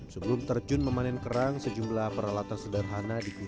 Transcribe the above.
sebelum terjun memanen kerang sejumlah peralatan sederhana digunakan